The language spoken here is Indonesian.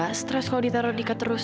gimana gak stress kalau ditaro dika terus